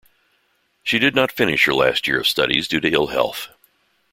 She did not finish her last year of studies due to ill health.